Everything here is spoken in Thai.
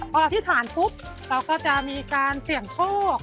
พออธิษฐานปุ๊บเราก็จะมีการเสี่ยงโชค